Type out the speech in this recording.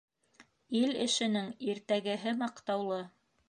Ил эшенең иртәгеһе маҡтаулы.